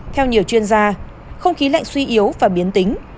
theo nhiều chuyên gia không khí lạnh suy yếu và biến tính